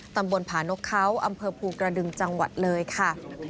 ตำบลผานกเขาอำเภอภูกระดึงจังหวัดเลยค่ะ